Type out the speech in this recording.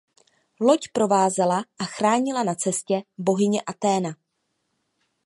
Loď provázela a chránila na cestě bohyně Athéna.